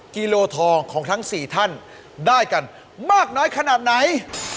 กิโลทองของทั้ง๔ท่านได้กันมากน้อยขนาดไหน